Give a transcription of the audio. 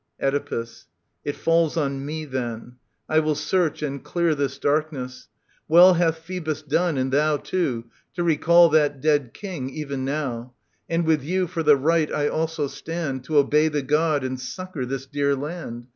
Oedipus. It falls on me then. I will search and clear This darkness. — Well hath Phoebus done, and thou Too, to recall that dead king, even now, ^And with you for the right I also stand. To obey the God and succour this dear land.